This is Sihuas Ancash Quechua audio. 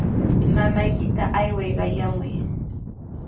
Mamaykita ayway qayamuy.